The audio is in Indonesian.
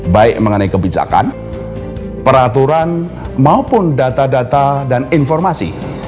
baik mengenai kebijakan peraturan maupun data data dan informasi